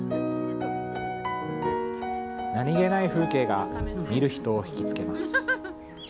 何気ない風景が見る人を引き付けます。